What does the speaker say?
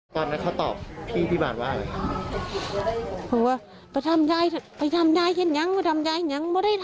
สาเหตุที่เขาบอกจริงไหมคือที่